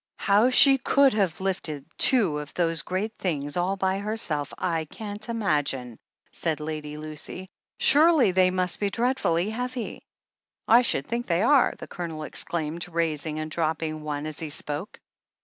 "How she could have lifted two of those great things all by herself, I can't imagine," said Lady Lucy. "Surely they must be dreadfully heavy ?" "I should think they are!" the Colonel exclaimed, raising and dropping one as he spoke.